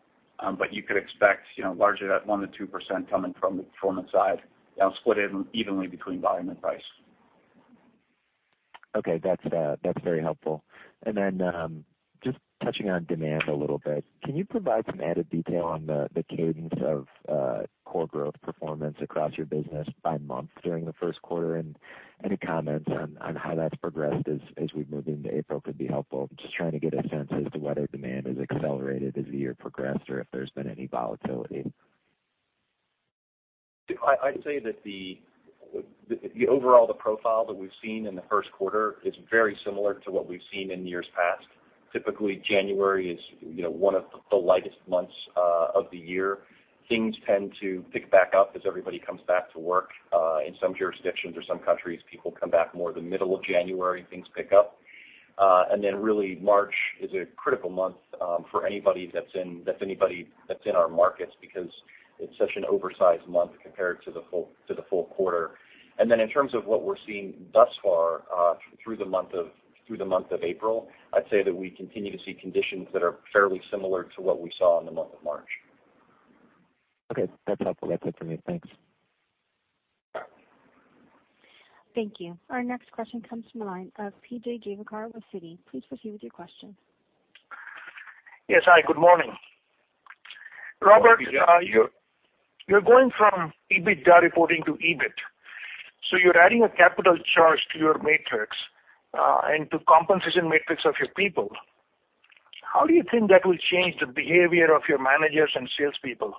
You could expect largely that 1%-2% coming from the performance side, split evenly between volume and price.
Okay. That's very helpful. Just touching on demand a little bit. Can you provide some added detail on the cadence of core growth performance across your business by month during the first quarter, and any comments on how that's progressed as we move into April could be helpful. Just trying to get a sense as to whether demand has accelerated as the year progressed or if there's been any volatility.
I'd say that the overall profile that we've seen in the first quarter is very similar to what we've seen in years past. Typically, January is one of the lightest months of the year. Things tend to pick back up as everybody comes back to work. In some jurisdictions or some countries, people come back more the middle of January, things pick up. Really March is a critical month for anybody that's in our markets because it's such an oversized month compared to the full quarter. In terms of what we're seeing thus far through the month of April, I'd say that we continue to see conditions that are fairly similar to what we saw in the month of March.
Okay. That's helpful. That's it for me. Thanks.
Thank you. Our next question comes from the line of P.J. Juvekar with Citi. Please proceed with your question.
Yes, hi, good morning.
Good morning, P.J.
Robert, you're going from EBITDA reporting to EBIT, so you're adding a capital charge to your matrix and to compensation matrix of your people. How do you think that will change the behavior of your managers and salespeople?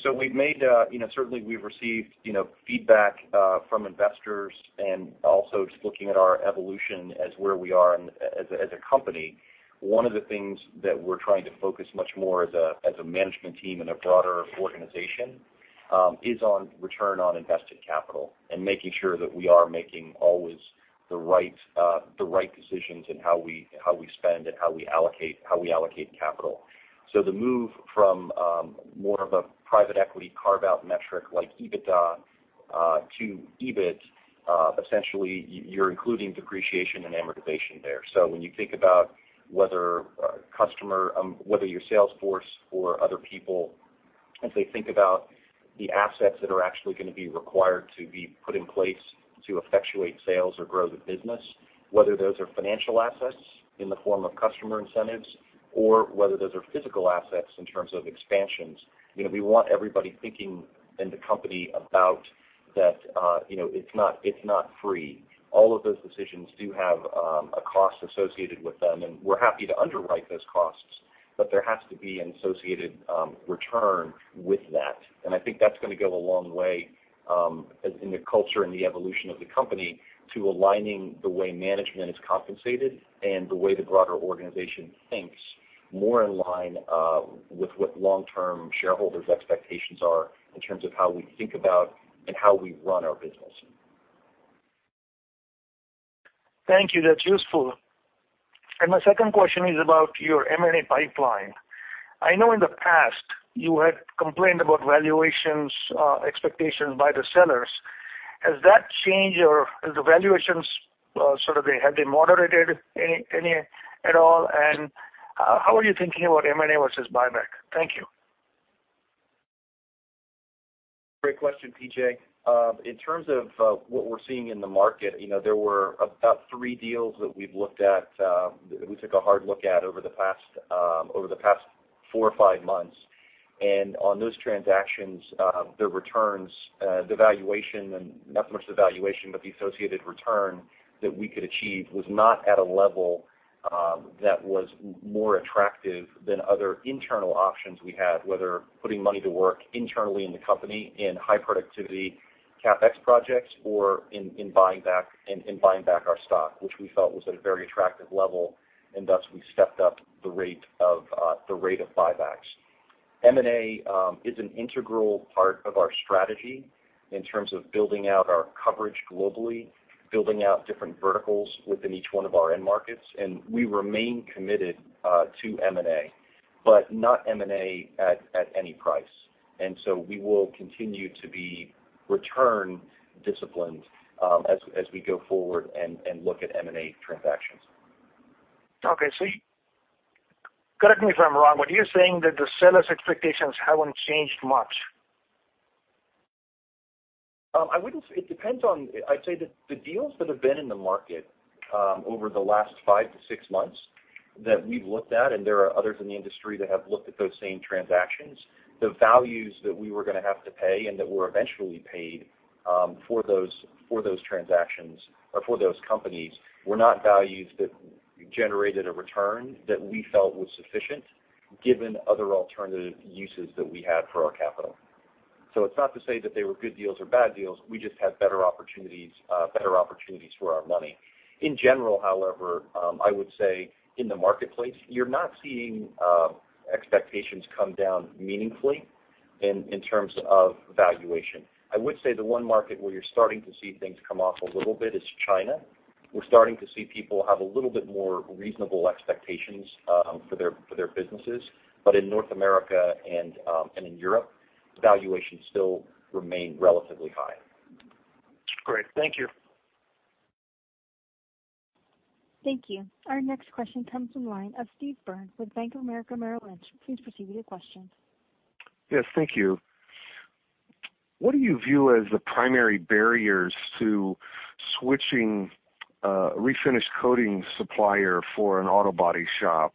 Certainly, we've received feedback from investors and also just looking at our evolution as where we are as a company. One of the things that we're trying to focus much more as a management team and a broader organization is on return on invested capital and making sure that we are making always the right decisions in how we spend and how we allocate capital. The move from more of a private equity carve-out metric like EBITDA to EBIT essentially you're including depreciation and amortization there. When you think about whether your sales force or other people, as they think about the assets that are actually going to be required to be put in place to effectuate sales or grow the business, whether those are financial assets in the form of customer incentives or whether those are physical assets in terms of expansions. We want everybody thinking in the company about that it's not free. All of those decisions do have a cost associated with them, and we're happy to underwrite those costs, but there has to be an associated return with that. I think that's going to go a long way in the culture and the evolution of the company to aligning the way management is compensated and the way the broader organization thinks more in line with what long-term shareholders' expectations are in terms of how we think about and how we run our business.
Thank you. That's useful. My second question is about your M&A pipeline. I know in the past you had complained about valuations expectations by the sellers. Has that changed, or have the valuations sort of been moderated at all? How are you thinking about M&A versus buyback? Thank you.
Great question, P.J. In terms of what we're seeing in the market, there were about three deals that we took a hard look at over the past four or five months. On those transactions, the valuation, not so much the valuation, but the associated return that we could achieve was not at a level that was more attractive than other internal options we had, whether putting money to work internally in the company in high productivity CapEx projects or in buying back our stock, which we felt was at a very attractive level. Thus, we stepped up the rate of buybacks. M&A is an integral part of our strategy in terms of building out our coverage globally, building out different verticals within each one of our end markets. We remain committed to M&A, but not M&A at any price. We will continue to be return-disciplined as we go forward and look at M&A transactions.
Okay. Correct me if I'm wrong, but you're saying that the sellers' expectations haven't changed much?
It depends. I'd say that the deals that have been in the market over the last five to six months that we've looked at, and there are others in the industry that have looked at those same transactions, the values that we were going to have to pay and that were eventually paid for those transactions or for those companies were not values that generated a return that we felt was sufficient given other alternative uses that we had for our capital. It's not to say that they were good deals or bad deals, we just had better opportunities for our money. In general, however, I would say in the marketplace, you're not seeing expectations come down meaningfully in terms of valuation. I would say the one market where you're starting to see things come off a little bit is China. We're starting to see people have a little bit more reasonable expectations for their businesses. In North America and in Europe, valuations still remain relatively high.
Great. Thank you.
Thank you. Our next question comes from the line of Steve Byrne with Bank of America Merrill Lynch. Please proceed with your question.
Yes. Thank you. What do you view as the primary barriers to switching a refinish coating supplier for an auto body shop?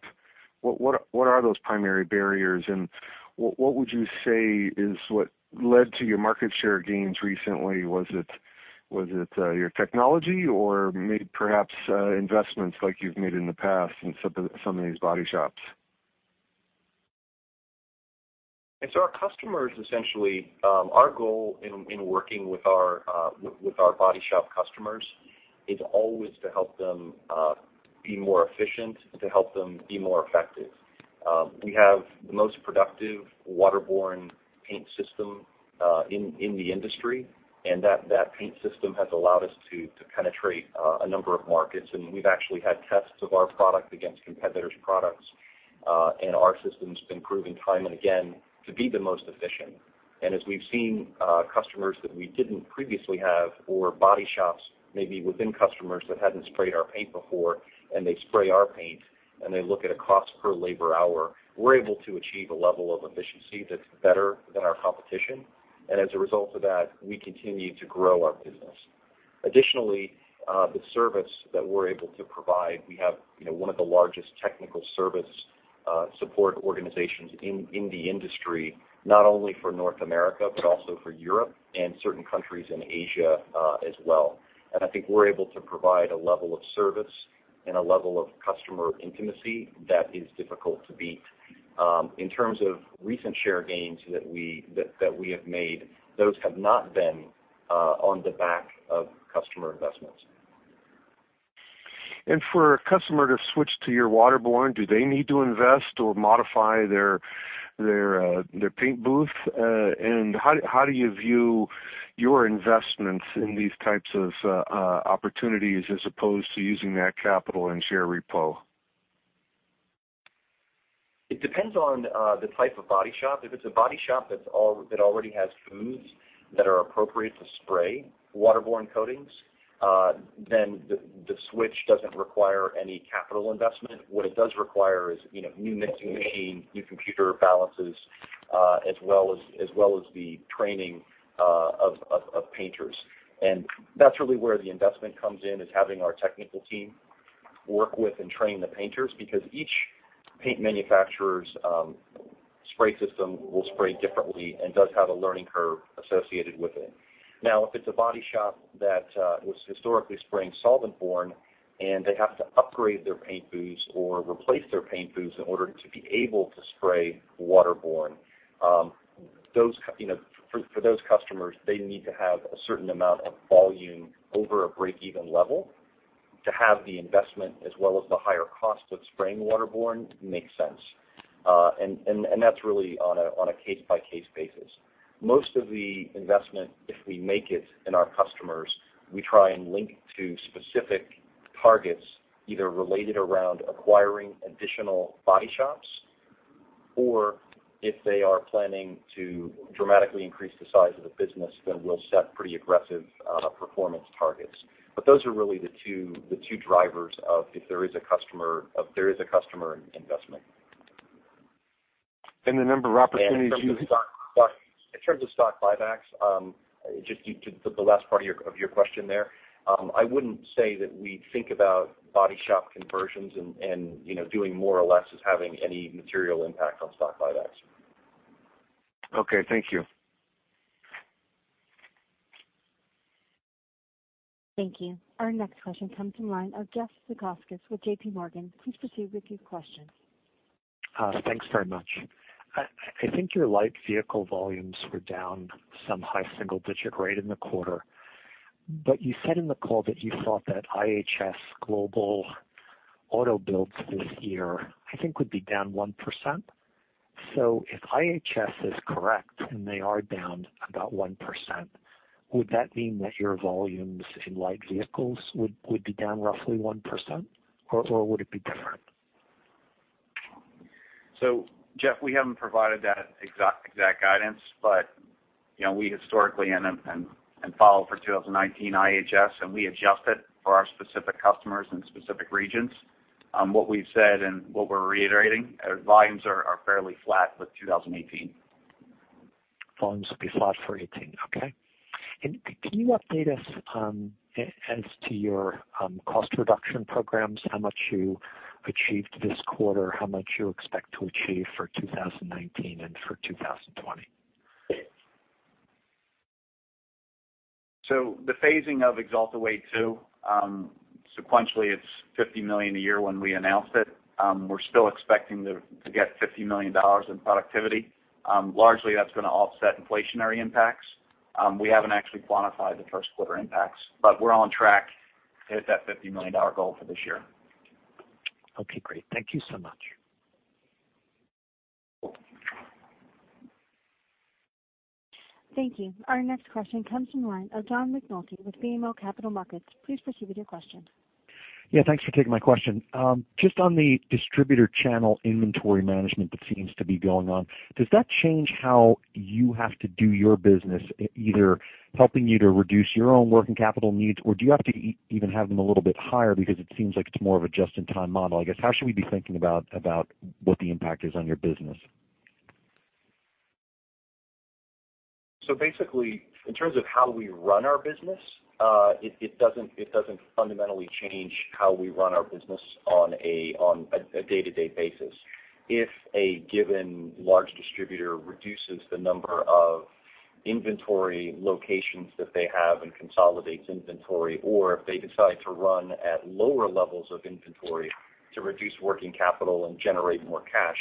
What are those primary barriers, and what would you say is what led to your market share gains recently? Was it your technology or perhaps investments like you've made in the past in some of these body shops?
Our customers, essentially, our goal in working with our body shop customers is always to help them be more efficient, to help them be more effective. We have the most productive waterborne paint system in the industry, and that paint system has allowed us to penetrate a number of markets, and we've actually had tests of our product against competitors' products, and our system's been proven time and again to be the most efficient. As we've seen customers that we didn't previously have, or body shops, maybe within customers that hadn't sprayed our paint before, and they spray our paint and they look at a cost per labor hour, we're able to achieve a level of efficiency that's better than our competition. As a result of that, we continue to grow our business. Additionally, the service that we're able to provide, we have one of the largest technical service support organizations in the industry, not only for North America, but also for Europe and certain countries in Asia as well. I think we're able to provide a level of service and a level of customer intimacy that is difficult to beat. In terms of recent share gains that we have made, those have not been on the back of customer investments.
For a customer to switch to your waterborne, do they need to invest or modify their paint booth? How do you view your investments in these types of opportunities as opposed to using that capital in share repo?
It depends on the type of body shop. If it's a body shop that already has booths that are appropriate to spray waterborne coatings, then the switch doesn't require any capital investment. What it does require is new mixing machine, new computer balances, as well as the training of painters. That's really where the investment comes in, is having our technical team work with and train the painters, because each paint manufacturer's spray system will spray differently and does have a learning curve associated with it. If it's a body shop that was historically spraying solvent-borne and they have to upgrade their paint booths or replace their paint booths in order to be able to spray waterborne, for those customers, they need to have a certain amount of volume over a break-even level to have the investment as well as the higher cost of spraying waterborne make sense. That's really on a case-by-case basis. Most of the investment, if we make it in our customers, we try and link to specific targets, either related around acquiring additional body shops, or if they are planning to dramatically increase the size of the business, then we'll set pretty aggressive performance targets. Those are really the two drivers if there is a customer investment.
The number of opportunities-
In terms of stock buybacks, just the last part of your question there, I wouldn't say that we think about body shop conversions and doing more or less is having any material impact on stock buybacks.
Okay, thank you.
Thank you. Our next question comes from the line of Jeff Zekauskas with JPMorgan. Please proceed with your question.
Thanks very much. I think your light vehicle volumes were down some high single-digit rate in the quarter. You said in the call that you thought that IHS Global auto builds this year, I think, would be down 1%. If IHS is correct, and they are down about 1%, would that mean that your volumes in light vehicles would be down roughly 1% or would it be different?
Jeff, we haven't provided that exact guidance, but we historically and follow for 2019 IHS, and we adjust it for our specific customers and specific regions. What we've said and what we're reiterating, our volumes are fairly flat with 2018.
Volumes will be flat for 2018. Okay. Can you update us as to your cost reduction programs, how much you achieved this quarter, how much you expect to achieve for 2019 and for 2020?
The phasing of Axalta Way 2, sequentially it's $50 million a year when we announced it. We're still expecting to get $50 million in productivity. Largely, that's going to offset inflationary impacts. We haven't actually quantified the first quarter impacts, but we're on track to hit that $50 million goal for this year.
Okay, great. Thank you so much.
Thank you. Our next question comes from the line of John McNulty with BMO Capital Markets. Please proceed with your question.
Yeah, thanks for taking my question. Just on the distributor channel inventory management that seems to be going on, does that change how you have to do your business, either helping you to reduce your own working capital needs, or do you have to even have them a little bit higher because it seems like it's more of a just-in-time model? I guess, how should we be thinking about what the impact is on your business?
Basically, in terms of how we run our business, it doesn't fundamentally change how we run our business on a day-to-day basis. If a given large distributor reduces the number of inventory locations that they have and consolidates inventory, or if they decide to run at lower levels of inventory to reduce working capital and generate more cash,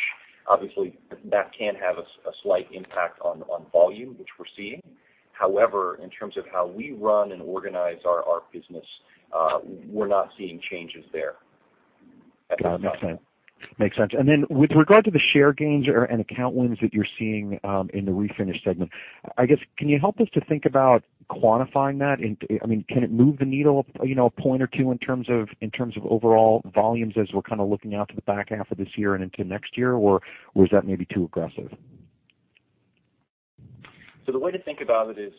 obviously that can have a slight impact on volume, which we're seeing. However, in terms of how we run and organize our business, we're not seeing changes there at this time.
Then with regard to the share gains and account wins that you're seeing in the Refinish segment, I guess, can you help us to think about quantifying that? Can it move the needle a point or two in terms of overall volumes as we're kind of looking out to the back half of this year and into next year? Or was that maybe too aggressive?
The way to think about it is,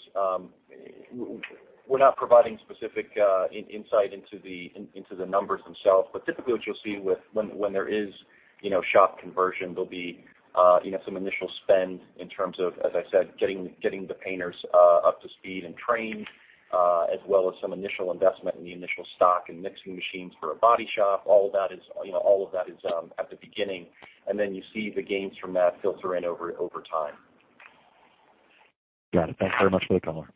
we're not providing specific insight into the numbers themselves. Typically what you'll see when there is shop conversion, there'll be some initial spend in terms of, as I said, getting the painters up to speed and trained, as well as some initial investment in the initial stock and mixing machines for a body shop. All of that is at the beginning, then you see the gains from that filter in over time.
Got it. Thanks very much for the color.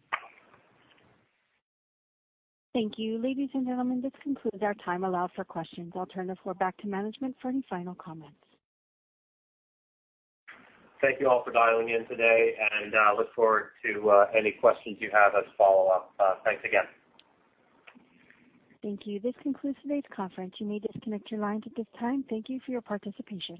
Thank you. Ladies and gentlemen, this concludes our time allowed for questions. I'll turn the floor back to management for any final comments.
Thank you all for dialing in today, I look forward to any questions you have as follow-up. Thanks again.
Thank you. This concludes today's conference. You may disconnect your lines at this time. Thank you for your participation.